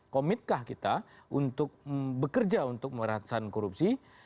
komitkah kita untuk bekerja untuk meratasan korupsi